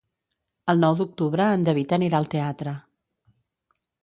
El nou d'octubre en David anirà al teatre.